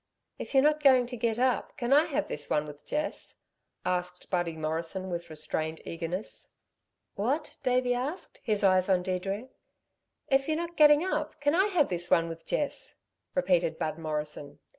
"If you're not going to get up, can I have this one with Jess?" asked Buddy Morrison with restrained eagerness. "What?" Davey asked, his eyes on Deirdre. "If you're not getting up, can I have this one with Jess?" repeated Bud Morrison.